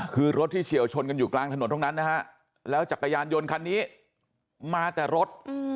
คือรถที่เฉียวชนกันอยู่กลางถนนตรงนั้นนะฮะแล้วจักรยานยนต์คันนี้มาแต่รถ